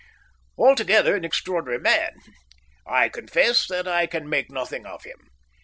Altogether, an extraordinary man. I confess that I can make nothing of him.